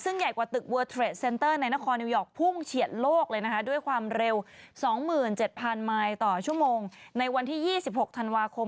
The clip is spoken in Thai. นางคิดแบบว่าไม่ไหวแล้วไปกด